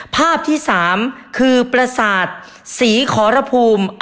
ภาพที่๓คือประสาทศรีขอรภูมิ